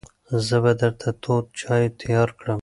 زه به درته تود چای تیار کړم.